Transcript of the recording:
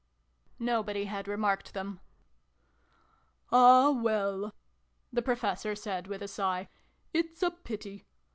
Nobody had remarked them. " Ah, well !" the Professor said with a sigh. "It's a pity.